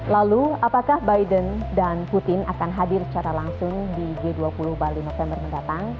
lalu apakah biden dan putin akan hadir secara langsung di g dua puluh bali november mendatang